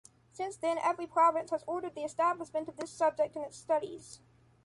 Since then, every province has ordered the establishment of this subject in its studies.